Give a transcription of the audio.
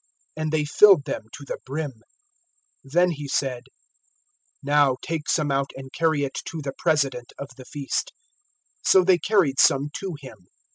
And they filled them to the brim. 002:008 Then He said, "Now, take some out, and carry it to the President of the feast." 002:009 So they carried some to him.